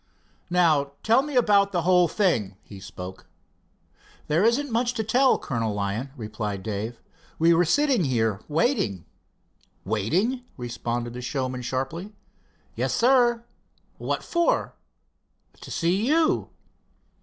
"Now, tell me about the whole thing," he spoke. "There isn't much to tell, Colonel Lyon," replied Dave. "We were sitting here waiting " "Waiting?" repeated the showman sharply. "Yes, sir." "What for?" "To see you."